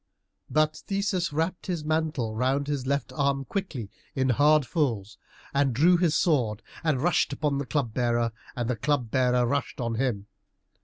But Theseus wrapped his mantle round his left arm quickly, in hard folds, and drew his sword, and rushed upon the Club bearer, and the Club bearer rushed on him.